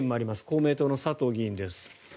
公明党の佐藤議員です。